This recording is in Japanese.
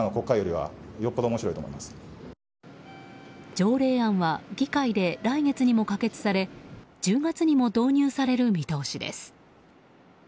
条例案は議会で来月にも可決され１０月にも導入される見通しです。